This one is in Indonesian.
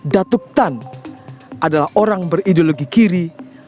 empat puluh lima datuk tan adalah orang berideologi kiri